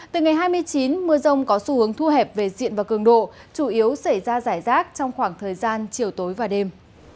từ ngày hai mươi chín mưa rông có xu hướng thu hẹp về diện và cường độ chủ yếu xảy ra giải rác trong khoảng thời gian chiều tối và đêm